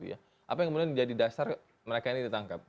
apa yang kemudian menjadi dasar mereka yang ditangkap